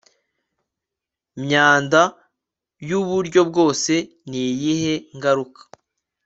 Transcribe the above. myanda yuburyo bwose ni iyihe ngaruka